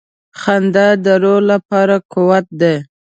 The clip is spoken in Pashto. • خندا د روح لپاره قوت دی.